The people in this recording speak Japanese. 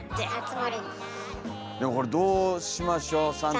でもこれどうしましょうサンタ。